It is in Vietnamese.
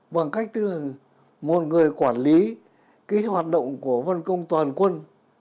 bằng cách tức là một người quản lý hoạt động của văn công toàn quân